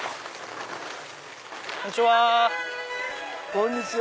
こんにちは。